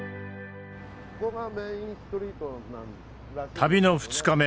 旅の２日目。